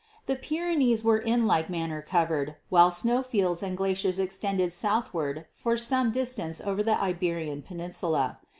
The Pyrenees were in like manner covered, while snow fields and glaciers extended southward for some distance over the Iberian peninsula.